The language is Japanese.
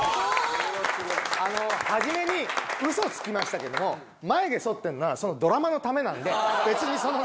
あの初めに嘘つきましたけども眉毛そってるのはそのドラマのためなんで別にその７５年。